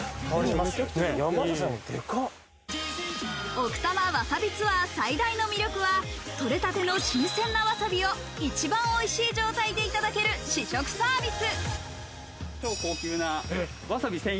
奥多摩わさびツアー最大の魅力は採れたての新鮮なわさびを一番おいしい状態でいただける試食サービス。